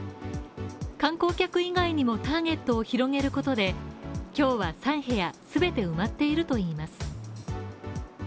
観光客以外にもターゲットを広げることで、今日は３部屋全て埋まっているといいます